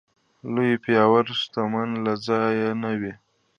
لوی پياوړ شتمنو له ځایه نه وي.